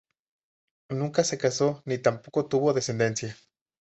Nunca se casó, ni tampoco tuvo descendencia.